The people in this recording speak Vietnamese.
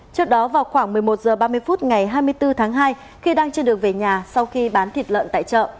trước đó vào khoảng một mươi một h ba mươi phút ngày hai mươi bốn tháng hai khi đang trên đường về nhà sau khi bán thịt lợn tại chợ